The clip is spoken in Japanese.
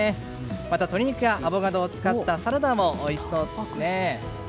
また鶏肉やアボカドを使ったサラダもおいしそうです。